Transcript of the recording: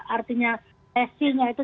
artinya lesinya itu